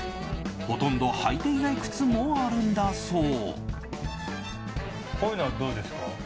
ほとんど履いていない靴もあるんだそう。